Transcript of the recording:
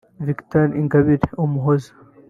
Victoire Ingabire Umuhoza